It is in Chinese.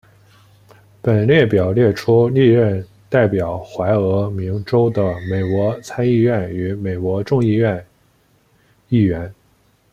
本列表列出历任代表怀俄明州的美国参议院与美国众议院议员。